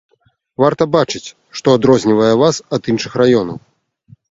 Варта бачыць, што адрознівае вас ад іншых раёнаў.